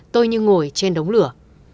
tôi như ngồi trên đống lửa